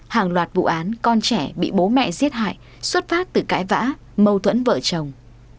hàng loạt vụ án con trẻ bị bố mẹ giết hại xuất phát từ cãi vã mâu thuẫn vợ chồng